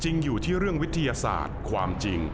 อยู่ที่เรื่องวิทยาศาสตร์ความจริง